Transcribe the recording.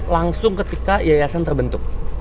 langsung ketika yayasan terbentuk